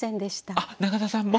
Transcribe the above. あっ中田さんも？